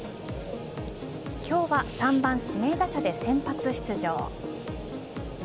今日は３番・指名打者で先発出場。